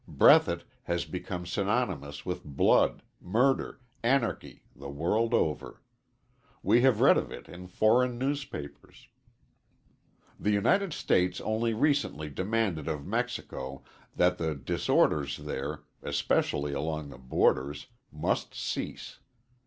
"Breathitt" has become synonymous with blood, murder, anarchy, the world over. We have read of it in foreign newspapers. The United States only recently demanded of Mexico that the disorders there, especially along the borders, must cease.